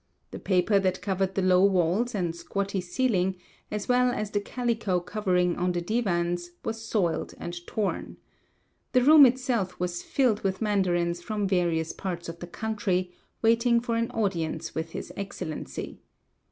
The paper that covered the low walls and squatty ceiling, as well as the calico covering on the divans, was soiled and torn. The room itself was filled with mandarins from various parts of the country, waiting for an audience with his excellency.